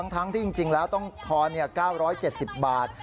ทั้งที่จริงแล้วต้องทอน๙๗๐บาท